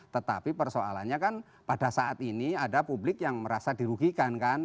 tetapi persoalannya kan pada saat ini ada publik yang merasa dirugikan kan